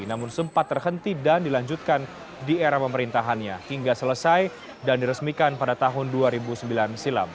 namun sempat terhenti dan dilanjutkan di era pemerintahannya hingga selesai dan diresmikan pada tahun dua ribu sembilan silam